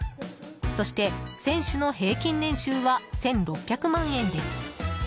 そして、選手の平均年収は１６００万円です。